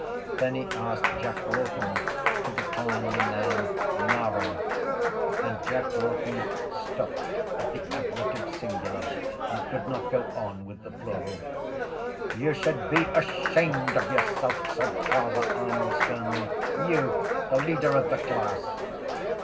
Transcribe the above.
Then he asked Jack Lawton to decline the noun mare and Jack Lawton stopped at the ablative singular and could not go on with the plural. —You should be ashamed of yourself, said Father Arnall sternly. You, the leader of the class!